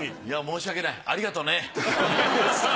いや申し訳ないありがとね。